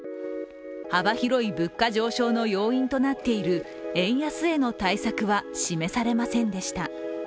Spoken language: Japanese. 幅広い物価上昇の要因となっている円安への対策は示されませんでした。